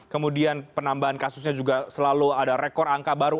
kemudian penambahan kasusnya juga selalu ada rekor angka baru